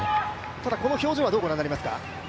ただこの表情はどうご覧になりますか？